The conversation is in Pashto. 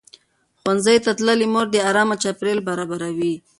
ښوونځې تللې مور د ارام چاپېریال برابروي.